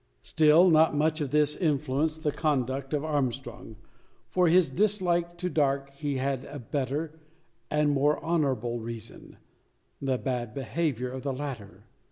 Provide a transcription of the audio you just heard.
Still, not much of this influenced the conduct of Armstrong. For his dislike to Darke he had a better, and more honourable, reason the bad behaviour of the latter.